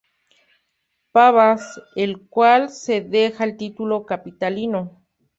Pavas, el cual se deja el título capitalino.